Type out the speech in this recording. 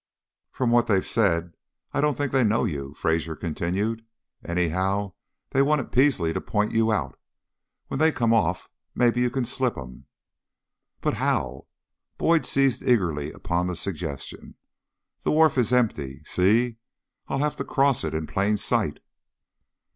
"From what they said I don't think they know you," Fraser continued. "Anyhow, they wanted Peasley to point you out. When they come off, maybe you can slip 'em." "But how?" Boyd seized eagerly upon the suggestion. "The wharf is empty see! I'll have to cross it in plain sight."